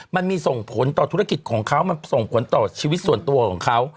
มันมีส่งผลต่อธุรกิจของเขามันส่งผลต่อชีวิตส่วนตัวของเขา